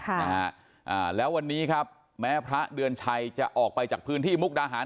ค่ะนะฮะอ่าแล้ววันนี้ครับแม้พระเดือนชัยจะออกไปจากพื้นที่มุกดาหาร